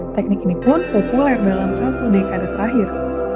teknik ini pun populer dalam satu dekade terakhir